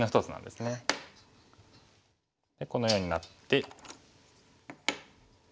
このようになって。